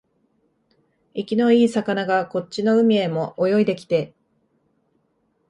生きのいい魚がこっちの海へも泳いできて、